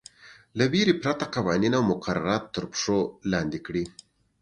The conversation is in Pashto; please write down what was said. له وېرې پرته قوانین او مقررات تر پښو لاندې کړي.